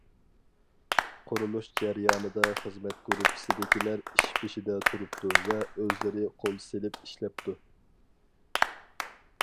قۇرۇلۇش جەريانىدا خىزمەت گۇرۇپپىسىدىكىلەر ئىش بېشىدا تۇرۇپتۇ ۋە ئۆزلىرى قول سېلىپ ئىشلەپتۇ.